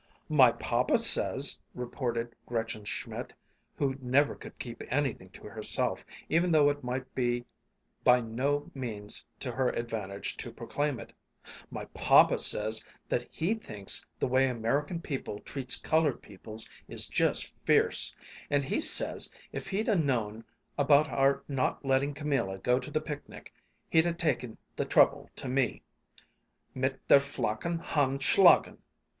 "My papa says," reported Gretchen Schmidt, who never could keep anything to herself, even though it might be by no means to her advantage to proclaim it "my papa says that he thinks the way American people treats colored peoples is just fierce; and he says if he'd ha' known about our not letting Camilla go to the picnic, he'd ha' taken the trouble to me '_mit der flachen Hand schlagen.